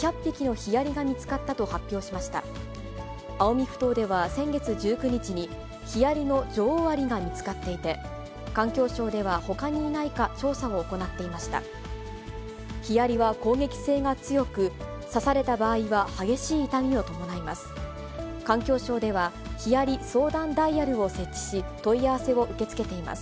ヒアリは攻撃性が強く、刺された場合は激しい痛みを伴います。